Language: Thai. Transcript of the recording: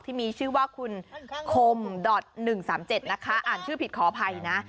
ที่มีชื่อว่าคุณคมดอด๑๓๗นะคะอ่านชื่อผิดขออภัยนะ